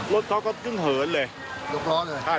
รถเขาก็ยึ่งเหินเลย